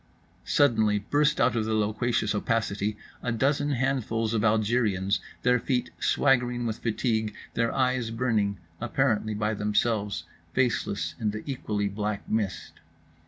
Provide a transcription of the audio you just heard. Suddenly burst out of the loquacious opacity a dozen handfuls of Algériens, their feet swaggering with fatigue, their eyes burning, apparently by themselves—faceless in the equally black mist.